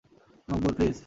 Maqbool, please.